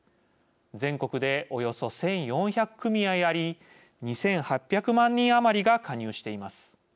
全国でおよそ１４００組合あり２８００万人余りが加入しています。